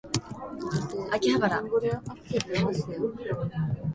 秋葉原